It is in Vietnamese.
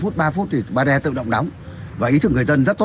trong đường sắt